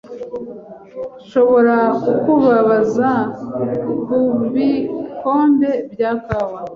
Nshobora kukubabaza kubikombe bya kawa?